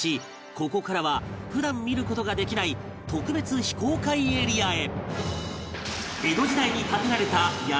ここからは普段見る事ができない特別非公開エリアへ